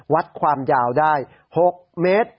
วัดความยาวได้๖เมตร